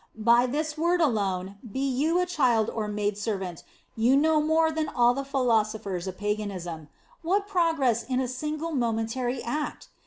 By this word alone, be you a child or servant maid, you know more than all the philosophers of paganism. What progress in a single, momentary act!